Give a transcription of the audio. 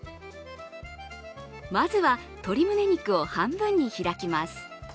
まずは鶏むね肉を半分に開きます。